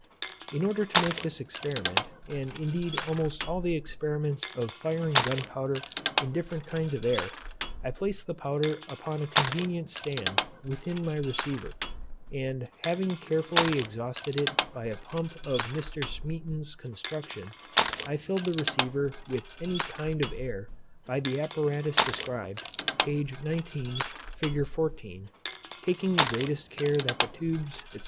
In order to make this experiment, and indeed almost all the experiments of firing gunpowder in different kinds of air, I placed the powder upon a convenient stand within my receiver, and having carefully exhausted it by a pump of Mr. Smeaton's construction, I filled the receiver with any kind of air by the apparatus described, p. 19, fig. 14, taking the greatest care that the tubes, &c.